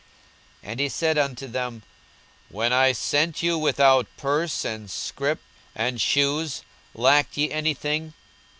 42:022:035 And he said unto them, When I sent you without purse, and scrip, and shoes, lacked ye any thing?